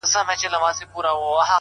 د نظم په وروستۍ قطعه کې